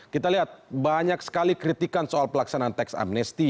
kita lihat banyak sekali kritikan soal pelaksanaan teks amnesti